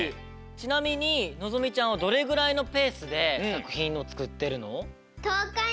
ちなみにのぞみちゃんはどれぐらいのペースでさくひんをつくってるの？